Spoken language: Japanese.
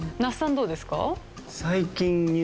どうですか？